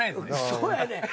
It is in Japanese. そうやねん。